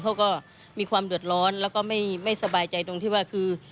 เขาก็มีความเดือดร้อนแล้วก็ไม่สบายใจตรงที่ว่าคือ